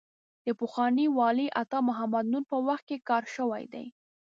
د پخواني والي عطا محمد نور په وخت کې کار شوی دی.